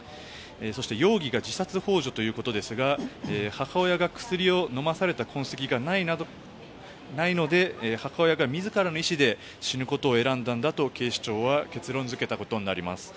そして、容疑が自殺ほう助ということですが母親が薬を飲まされた痕跡がないので母親が自らの意思で死ぬことを選んだのだと警視庁は結論付けたことになります。